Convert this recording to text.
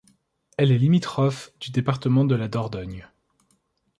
Elle est limitrophe du département de la Dordogne.